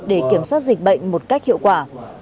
để kiểm soát dịch bệnh một cách hiệu quả